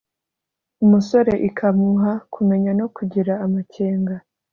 umusore ikamuha kumenya no kugira amakenga,